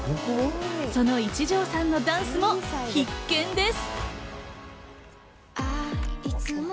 その一条さんのダンスも必見です。